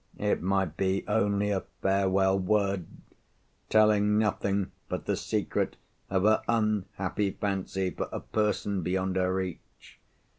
It might be only a farewell word, telling nothing but the secret of her unhappy fancy for a person beyond her reach.